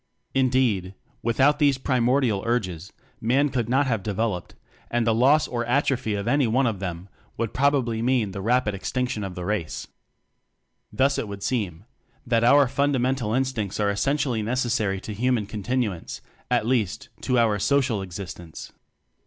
Indeed, without these primordial urges Man could not have developed, and the loss or atrophy of any one of them would probably mean the H 6 <=> rapid extinction of the race. Thus it would seem that our fundamental instincts are essentially necessary to human continuance at least, to our social existence.